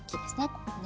ここね。